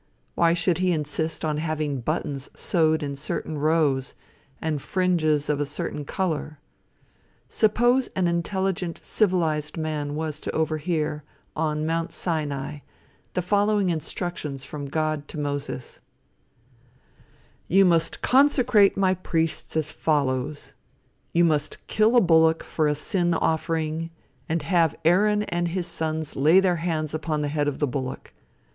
Why should he insist on having buttons sewed in certain rows, and fringes of a certain color? Suppose an intelligent civilized man was to overhear, on Mount Sinai, the following instructions from God to Moses: "You must consecrate my priests as follows: You must kill a bullock for a sin offering, and have Aaron and his sons lay their hands upon the head of the bullock.